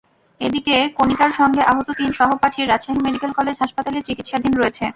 এদিকে কণিকার সঙ্গে আহত তিন সহপাঠী রাজশাহী মেডিকেল কলেজ হাসপাতালে চিকিৎসাধীন রয়েছে।